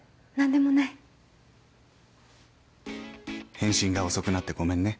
「返信が遅くなってごめんね」